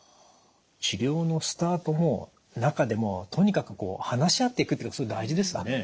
治療のスタートも中でもとにかく話し合っていくってことが大事ですかね。